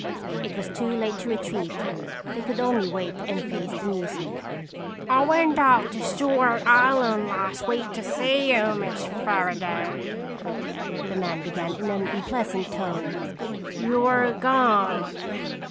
It was too late to retreat. They could only wait and face the music. "I went out to Stewart Island last week to see you, Miss Fairaday," the man began in an unpleasant tone. "You were gone."